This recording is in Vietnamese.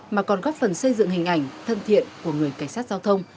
mà còn góp phần xây dựng hình ảnh thân thiện của người cảnh sát giao thông